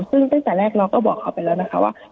ซึ่งตั้งแต่แรกเราก็บอกเขาไปแล้วนะคะว่า